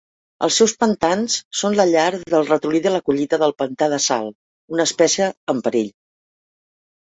Els seus pantans són la llar del ratolí de la collita del pantà de sal, una espècie en perill.